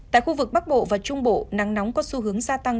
tại khu vực bắc bộ và trung bộ nắng nóng có xu hướng gia tăng